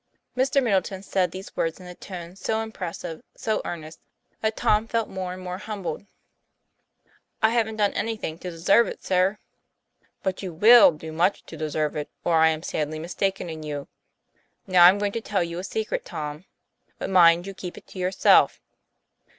Mr. Middleton said these words in a tone so im pressive, so earnest, that Tom felt more and more humbled. "I haven't done anything to deserve it, sir." " But you will do much to deserve it, or I am sadly mistaken in you. Now, I'm going to tell you a secret, Tom; but mind you keep it to yourself.